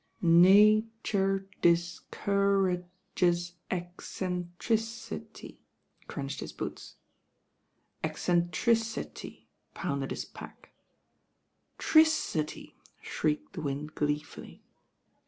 "Na ture dis cou ra ges • ec cen tri ci ty I" crunched his boots. "EoKTcn tri^i^," pounded his pack. "Tri<i ty," shrieked the wind gleefully.